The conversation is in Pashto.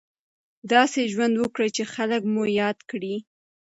داسې ژوند وکړئ چې خلک مو یاد کړي.